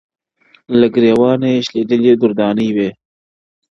له ګرېوانه یې شلېدلي دُردانې وې-